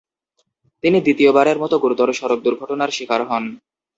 তিনি দ্বিতীয়বারের মত গুরুতর সড়ক দূর্ঘটনার শিকার হন।